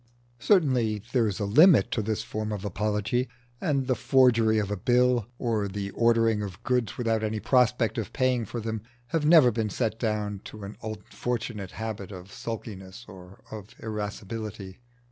Certainly there is a limit to this form of apology, and the forgery of a bill, or the ordering of goods without any prospect of paying for them, has never been set down to an unfortunate habit of sulkiness or of irascibility.